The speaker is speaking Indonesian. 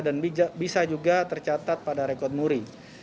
dan bisa juga tercatat pada rekod muri